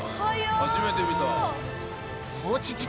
初めて見た。